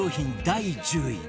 第１０位